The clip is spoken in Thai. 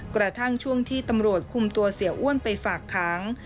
กระทั่งช่วงที่ตำรวจคุมตัวเสียอ้วนไปฝากค้าง